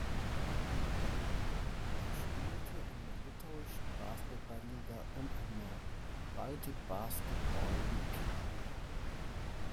Er spielte in der Litauischen Basketballliga und in der Baltic Basketball League.